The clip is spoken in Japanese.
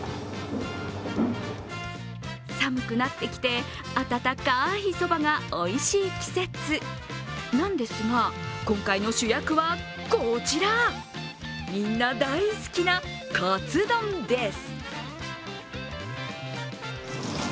寒くなってきて温かいそばがおいしい季節なんですが今回の主役はこちら、みんな大好きなかつ丼です。